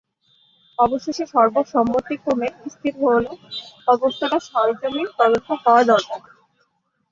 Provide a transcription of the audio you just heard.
অবশেষে সর্বসম্মতিক্রমে স্থির হল, অবস্থাটার সরেজমিন তদন্ত হওয়া দরকার।